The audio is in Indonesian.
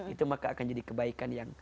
itu maka akan jadi kebaikan yang